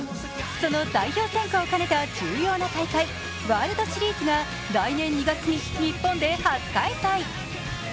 その代表選考を兼ねた重要な大会、ワールドシリーズが来年２月に日本で初開催。